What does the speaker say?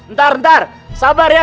ntar ntar sabar ya